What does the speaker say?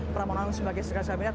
pramonan sebagai sekarang sekarang minat